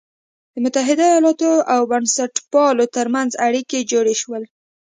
د متحدو ایالتونو او بنسټپالو تر منځ اړیکي جوړ شول.